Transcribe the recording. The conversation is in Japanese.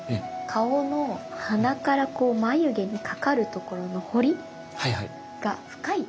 顔の鼻から眉毛にかかるところの彫りが深い。